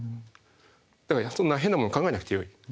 だからそんな変なもん考えなくてよい。